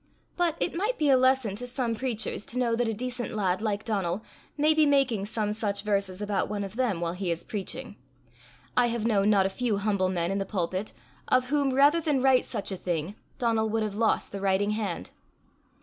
But it might be a lesson to some preachers to know that a decent lad like Donal may be making some such verses about one of them while he is preaching. I have known not a few humble men in the pulpit of whom rather than write such a thing Donal would have lost the writing hand.